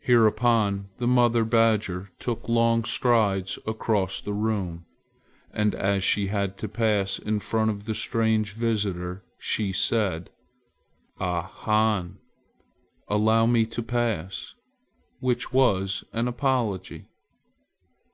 Hereupon the mother badger took long strides across the room, and as she had to pass in front of the strange visitor, she said: "Ah han! Allow me to pass!" which was an apology.